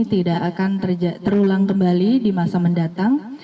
tidak akan terulang kembali di masa mendatang